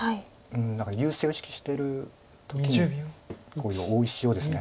何か優勢を意識してる時にこういう大石をですね